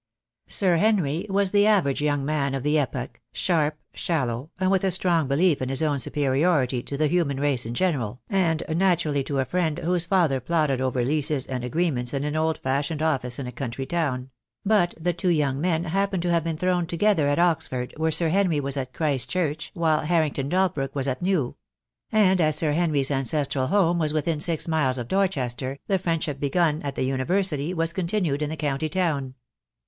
Sir Henry was the average young man of the epoch, sharp, shallow, and with a strong belief in his own superiority to the human race in general, and naturally to a friend whose father plodded over leases and agree ments in an old fashioned office in a country town; but the two young men happened to have been thrown to gether at Oxford, where Sir Henry was at Christ Church while Harrington Dalbrook was at New; and as Sir Henry's ancestral home was within six miles of Dorchester, the friendship begun at the University was continued in the county town.